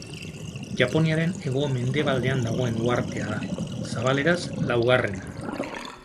Japoniaren hego mendebaldean dagoen uhartea da, zabaleraz laugarrena.